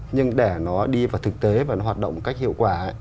nhưng để nó đi vào thực tế và nó hoạt động cách hiệu quả